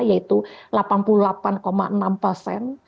yaitu delapan puluh delapan enam persen